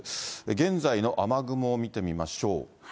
現在の雨雲を見てみましょう。